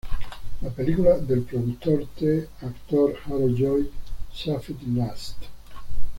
La película del productor t actor Harold Lloyd, "Safety Last!